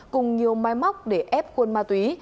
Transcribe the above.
cùng nhiều mái móc để ép quân ma túy